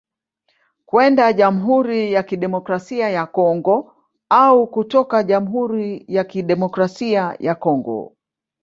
Kwenda Jamhuri ya Kidemokrasia ya Kongo au kutoka jamhuri ya Kidemokrasia ya Congo